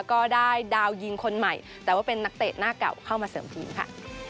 ก็ได้ดาวยิงคนใหม่แต่ว่าเป็นนักเตะหน้าเก่าเข้ามาเสริมทีมค่ะ